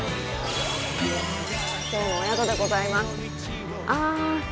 きょうのお宿でございます。